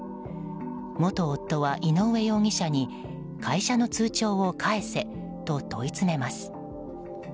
元夫は井上容疑者に会社の通帳を返せと問い詰めます。